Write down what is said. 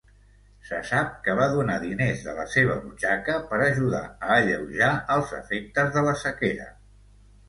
Se sap que va donar diners de la seva butxaca per ajudar a alleujar els efectes de la sequera.